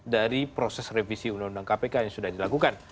dari proses revisi undang undang kpk yang sudah dilakukan